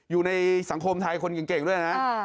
อยู่ในสังคมไทยคนเก่งด้วยนะ